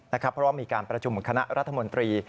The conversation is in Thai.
เพราะว่ามีการประชุมคณะรัฐมนตรี